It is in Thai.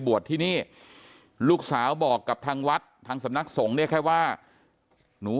บวชที่นี่ลูกสาวบอกกับทางวัดทางสำนักสงฆ์เนี่ยแค่ว่าหนู